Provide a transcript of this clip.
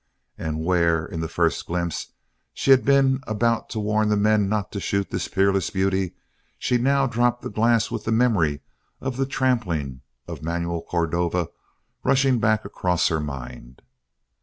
And where, in the first glimpse, she had been about to warn the men not to shoot this peerless beauty, she now dropped the glass with the memory of the trampling of Manuel Cordova rushing back across her mind.